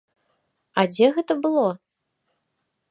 А дзе гэта было?